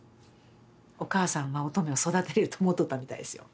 お母さんは音十愛を育てれると思うとったみたいですよ。